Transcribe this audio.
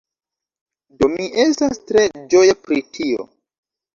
Do mi estas tre ĝoja pri tio.